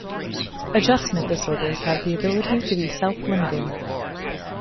Adjustment disorders have the ability to be self-limiting.